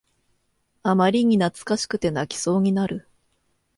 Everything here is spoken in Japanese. あまりに懐かしくて泣きそうになる